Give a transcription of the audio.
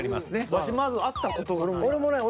ワシまず会った事がない。